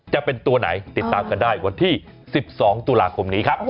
จะเป็นตัวไหนติดตามกันได้วันที่๑๒ตุลาคมนี้ครับ